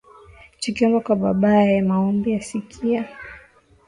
Tukiomba kwa babaye, Maombi asikia